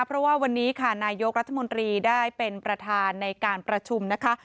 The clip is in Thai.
เพราะว่าวันนี้ค่ะนายกรัฐมนตรีได้เป็นประธานในการประชุมนะคะ